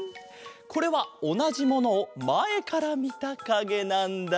これはおなじものをまえからみたかげなんだ。